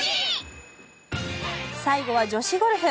最後は女子ゴルフ。